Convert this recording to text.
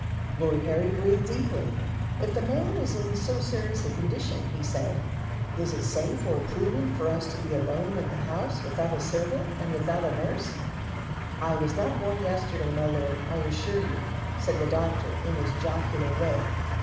Lord Harry breathed deeply. "If the man is in so serious a condition," he said, "is it safe or prudent for us to be alone in the house without a servant and without a nurse?" "I was not born yesterday, my lord, I assure you," said the doctor in his jocular way.